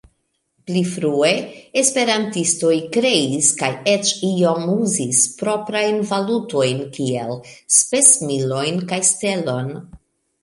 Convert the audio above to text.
Pli frue esperantistoj kreis kaj eĉ iom uzis proprajn valutojn kiel Spesmilon kaj Stelon.